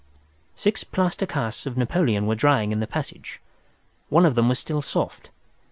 Six plaster casts of Napoleon were drying in the passage. One of them was still soft.